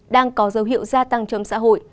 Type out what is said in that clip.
đang có dấu hiệu gia tăng trong xã hội